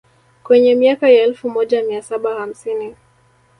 kwenye miaka ya elfu moja mia saba hamsini